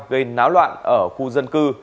gây náo loạn ở khu dân cư